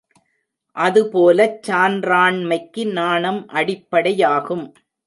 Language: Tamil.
அதுபோலச் சான்றாண்மைக்கு நாணம் அடிப்படையாகும்.